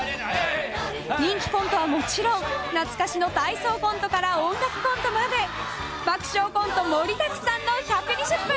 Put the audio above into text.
人気コントはもちろん懐かしの体操コントから音楽コントまで爆笑コント盛りだくさんの１２０分。